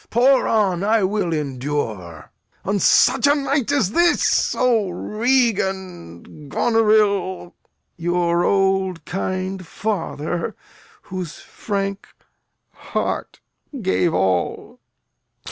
Pour on; I will endure. In such a night as this! O Regan, Goneril! Your old kind father, whose frank heart gave all!